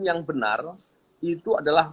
yang benar itu adalah